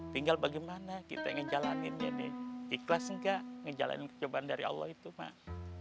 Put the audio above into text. tinggal bagaimana kita ngejalanin jadi ikhlas enggak ngejalanin cobaan dari allah itu mak